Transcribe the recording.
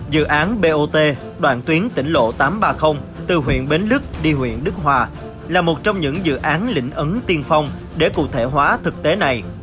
dự án bot đoạn tuyến tỉnh lộ tám trăm ba mươi từ huyện bến lức đi huyện đức hòa là một trong những dự án lĩnh ấn tiên phong để cụ thể hóa thực tế này